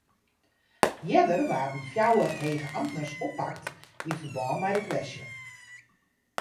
Earder waarden fjouwer hege amtners oppakt yn ferbân mei de kwestje.